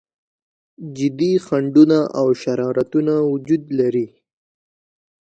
جدي خنډونه او شرارتونه وجود لري.